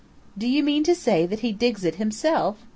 "Do you mean to say that he digs it himself?"